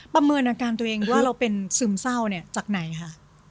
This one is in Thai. ประเมินอาการตัวเองว่าเราเป็นซึมเศร้าเนี่ยจากไหนคะ